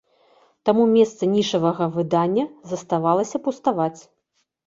Таму месца нішавага выдання заставалася пуставаць.